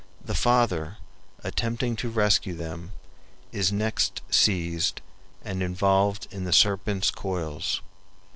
The father, attempting to rescue them, is next seized and involved in the serpents' coils.